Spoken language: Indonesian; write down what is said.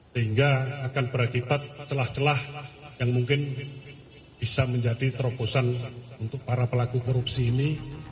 sehingga akan berakibat celah celah yang mungkin bisa menjadi terobosan untuk para pelaku korupsi ini